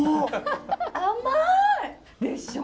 甘い！でしょう？